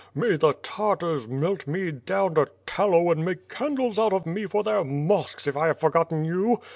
May the Tartars melt me down to tallow and make candles out of me for their mosques if I have for gotten you.